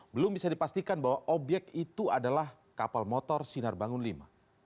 belum bisa dipastikan bahwa obyek itu adalah kapal motor sinar bangun v